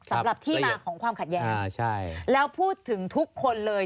สำหรับที่มาของความขัดแย้งแล้วพูดถึงทุกคนเลย